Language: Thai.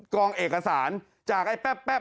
กองเอกสารจากไอ้แป๊บ